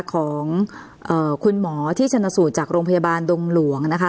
ของคุณหมอที่ชนสูตรจากโรงพยาบาลดงหลวงนะคะ